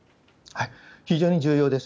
非常に重要です。